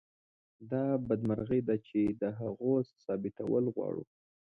دا بدمرغي ده چې د هغو ثابتول غواړو.